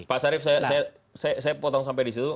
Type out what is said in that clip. pak sarif saya potong sampai di situ